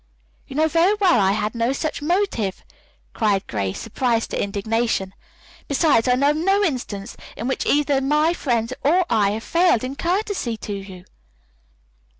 "You know very well I had no such motive," cried Grace, surprised to indignation. "Besides, I know of no instance in which either my friends or I have failed in courtesy to you."